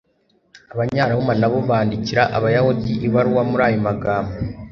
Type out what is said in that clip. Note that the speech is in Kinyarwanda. abanyaroma na bo bandikira abayahudi ibaruwa muri aya magambo